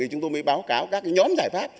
chúng tôi mới báo cáo các nhóm giải pháp